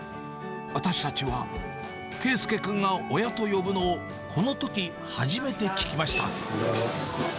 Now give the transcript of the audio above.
私たちは佳祐君が親と呼ぶのをこのとき初めて聞きました。